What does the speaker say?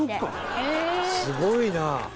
「すごいな」